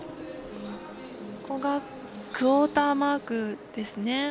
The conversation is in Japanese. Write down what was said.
クオーターマークですね。